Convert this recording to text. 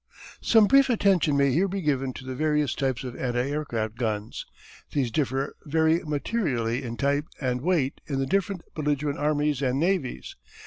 Some brief attention may here be given to the various types of anti aircraft guns. These differ very materially in type and weight in the different belligerent armies and navies.